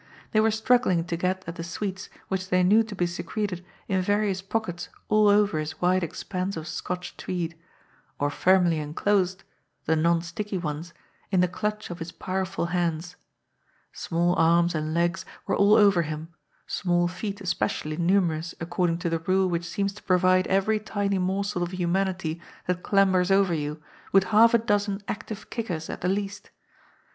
They were struggling to get at the sweets which they knew to be secreted in various pockets all over his wide expanse of Scotch tweed, or firmly enclosed — the non sticky ones — in the clutch of his powerful hands. Small arms and legs were all over him, small feet especially numerous according to the rule which seems to provide every tiny morsel of humanity that clambers over you with half a dozen active kickers at the least.